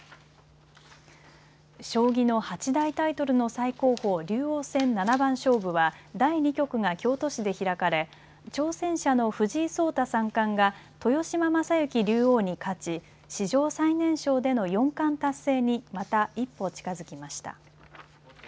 将棋の八大タイトルの最高峰竜王戦七番勝負は第２局が京都市で開かれ挑戦者の藤井聡太三冠が豊島将之竜王に勝ち史上最年少での四冠達成にまた一歩近づきました。